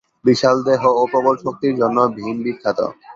বিশাল দেহ ও প্রবল শক্তির জন্য ভীম বিখ্যাত।